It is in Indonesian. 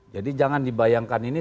jadi jangan dibayangkan ini